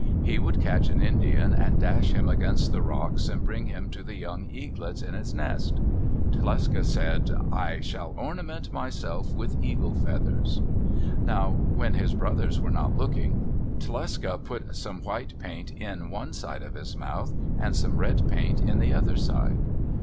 He would catch an Indian and dash him against the rocks and bring him to the young eaglets in his nest. Tlecsa said, "I shall ornament myself with eagle feathers." Now when his brothers were not looking, Tlecsa put some white paint in one side of his mouth, and some red paint in the other side.